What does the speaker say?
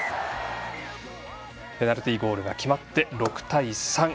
ペナルティーゴールが決まって６対３。